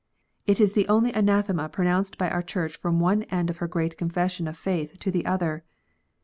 It is the only anathema pro nounced by our Church from one end of her great Confession of faith to the other.